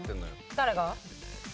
誰が？